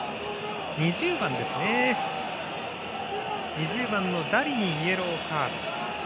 ２０番のダリにイエローカード。